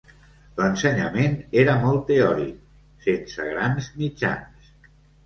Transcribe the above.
L'ensenyament era molt teòric, sense grans mitjans.